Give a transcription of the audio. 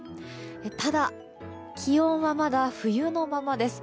ただ、気温はまだ冬のままです。